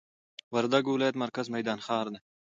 وردګ ولايت مرکز میدان ښار دي